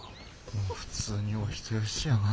もう普通にお人よしやな。